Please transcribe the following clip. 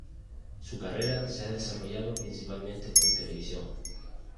Su carrera se ha desarrollado principalmente en televisión.